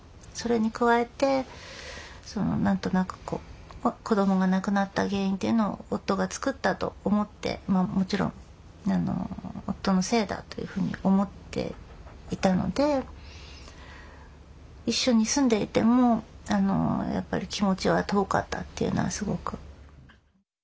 それに加えて何となく子どもが亡くなった原因っていうのを夫が作ったと思ってもちろん夫のせいだというふうに思っていたので一緒に住んでいてもやっぱり気持ちは遠かったっていうのはすごく。